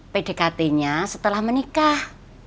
pdkt nya setelah menikah